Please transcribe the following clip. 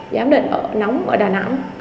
giám định ở nóng ở đà nẵng